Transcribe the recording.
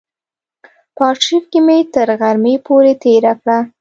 په آرشیف کې مې تر غرمې پورې تېره کړه.